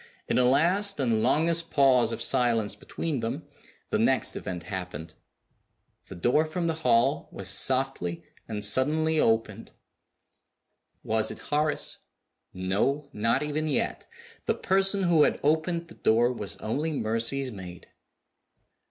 In a last and longest pause of silence between them, the next event happened. The door from the hall was softly and suddenly opened. Was it Horace? No not even yet. The person who had opened the door was only Mercy's maid.